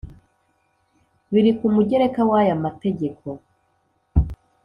Biri k umugereka w aya mategeko